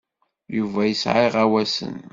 Yuba yesɛa iɣawasen.